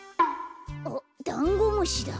おっダンゴムシだ。